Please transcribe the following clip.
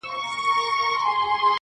پرې کرم د اِلهي دی،